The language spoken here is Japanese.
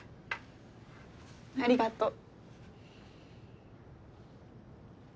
ありがとう。